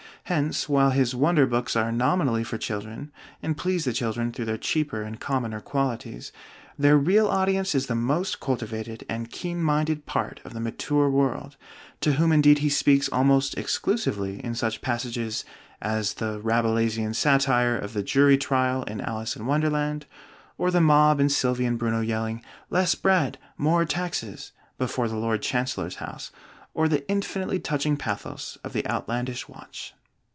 Hence, while his wonder books are nominally for children, and please the children through their cheaper and commoner qualities, their real audience is the most cultivated and keen minded part of the mature world; to whom indeed he speaks almost exclusively in such passages as the Rabelaisian satire of the jury trial in 'Alice in Wonderland,' or the mob in 'Sylvie and Bruno' yelling "Less bread! More taxes!" before the Lord Chancellor's house, or the infinitely touching pathos of the Outlandish Watch.